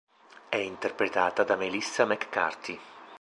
È interpretata da Melissa McCarthy.